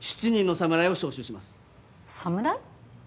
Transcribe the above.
侍？